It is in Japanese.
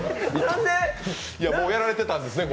もうやられてたんですね。